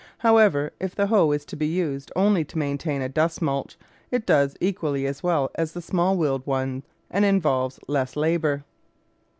However, if the hoe is to be used only to maintain a dust mulch, it does equally as well as the small wheeled one and involves less labour.